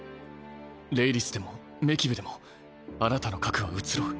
レイリスでもメキブでもあなたの核は移ろう。